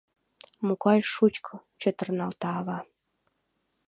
— Могай шучко! — чытырналта ава.